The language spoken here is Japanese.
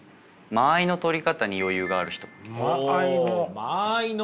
間合いのとり方に余裕がある。